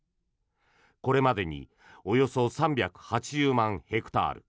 これまでにおよそ３８０万ヘクタール